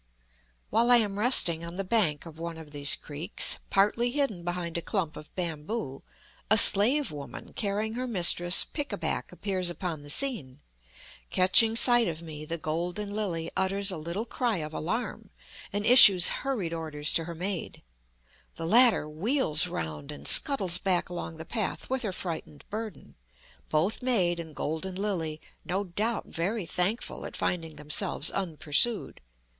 While I am resting on the bank of one of these creeks, partly hidden behind a clump of bamboo, a slave woman carrying her mistress pick a back appears upon the scene. Catching sight of me, the golden lily utters a little cry of alarm and issues hurried orders to her maid. The latter wheels round and scuttles back along the path with her frightened burden, both maid and golden lily no doubt very thankful at finding themselves unpursued.